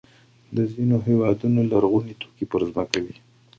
د ځینو هېوادونو لرغوني توکي پر ځمکې وي.